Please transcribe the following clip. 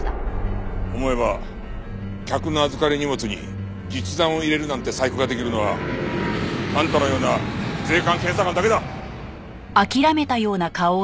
思えば客の預かり荷物に実弾を入れるなんて細工ができるのはあんたのような税関検査官だけだ！